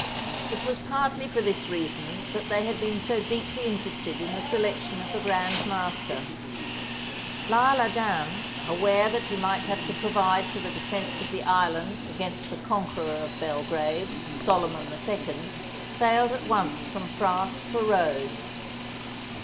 It was partly for this reason that they had been so deeply interested in the selection of the Grand Master, L'lsle Adam, aware that he might have to provide for the defence of the island against the conqueror of Belgrade, Solyman II, sailed at once from France for Rhodes.